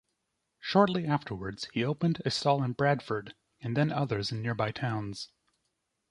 Shortly afterwards he opened a stall in Bradford and then others in nearby towns.